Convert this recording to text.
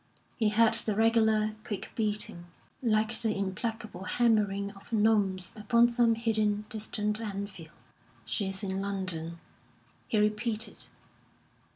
He heard the regular, quick beating, like the implacable hammering of gnomes upon some hidden, distant anvil. "She's in London," he repeated.